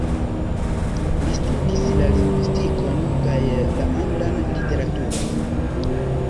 Li studis la lingvistikon kaj la anglan literaturon.